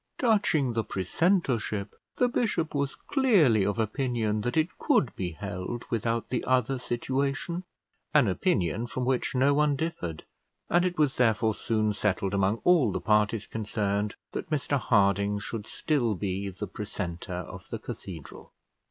Touching the precentorship, the bishop was clearly of opinion that it could be held without the other situation, an opinion from which no one differed; and it was therefore soon settled among all the parties concerned, that Mr Harding should still be the precentor of the cathedral.